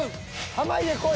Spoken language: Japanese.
濱家こい。